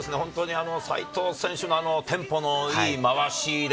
齋藤選手のテンポのいい回しで。